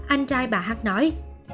anh trai bà hắc nói